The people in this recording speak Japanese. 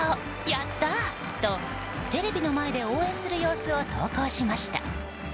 やったあ！とテレビの前で応援する様子を投稿しました。